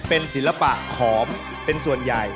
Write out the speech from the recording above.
เป็นศิลปะขอมเป็นส่วนใหญ่